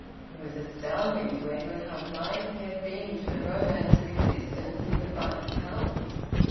It was astounding to Edwin how blind he had been to the romance of existence in the Five Towns.